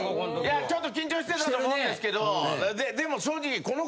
いやちょっと緊張してたと思うんですけどでも正直。